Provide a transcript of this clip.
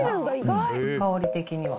香り的には。